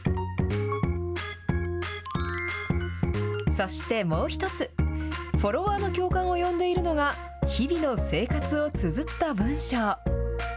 そして、もう１つフォロワーの共感を呼んでいるのが日々の生活をつづった文章。